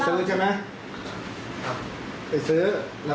บอกเจ๊ไปแล้วนะหรือไง